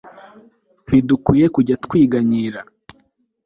ntidukwiye kujya ywiganyira